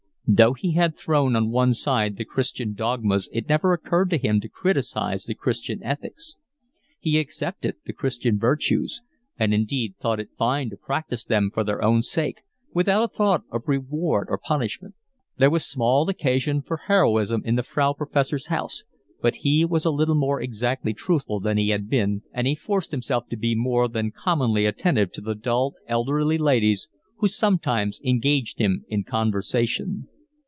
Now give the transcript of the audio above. Though he had thrown on one side the Christian dogmas it never occurred to him to criticise the Christian ethics; he accepted the Christian virtues, and indeed thought it fine to practise them for their own sake, without a thought of reward or punishment. There was small occasion for heroism in the Frau Professor's house, but he was a little more exactly truthful than he had been, and he forced himself to be more than commonly attentive to the dull, elderly ladies who sometimes engaged him in conversation.